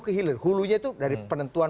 ke hilir hulunya itu dari penentuan